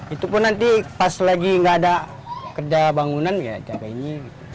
itu pun nanti pas lagi nggak ada kerja bangunan ya capek ini